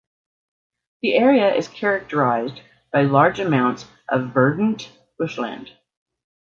The area is characterised by large amounts of verdant bushland.